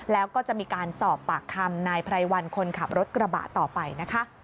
แล้วก็จะมีการสอบปากคำนายไพรวันคนขับรถกระบะต่อไปนะคะ